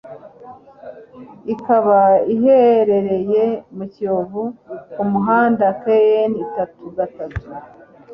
ikaba iherereye mu Kiyovu ku muhanda KN itatu gatatu